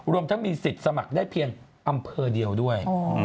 รวมทั้งมีสิทธิ์สมัครได้เพียงอำเภอเดียวด้วย